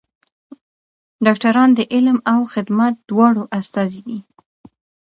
ډاکټران د علم او خدمت دواړو استازي دي.